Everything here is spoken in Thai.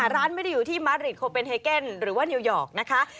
ร้านไม่ได้อยู่ที่มาเดรีตคอเปนเฮเกิ้นหรือว่านิวยอกนะคะ